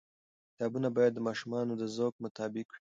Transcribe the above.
کتابونه باید د ماشوم د ذوق مطابق وي.